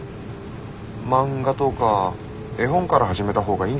漫画とか絵本から始めた方がいいんじゃないですか？